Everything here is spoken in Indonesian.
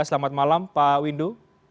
selamat malam pak windu